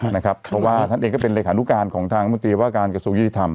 เพราะว่าท่านเองก็เป็นเหลกฐานุการณ์ของทางมนุษยศวรรยะว่าการกระโซกยืดธรรม